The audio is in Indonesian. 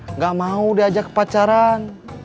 enggak mau diajak pacaran